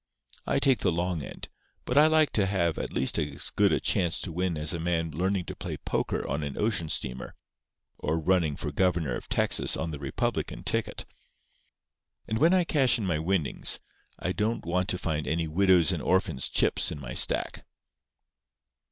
I take the long end; but I like to have at least as good a chance to win as a man learning to play poker on an ocean steamer, or running for governor of Texas on the Republican ticket. And when I cash in my winnings, I don't want to find any widows' and orphans' chips in my stack."